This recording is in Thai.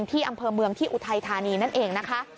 ที่อำเภอเมืองที่อุทัยธานีนั่นเองนะคะ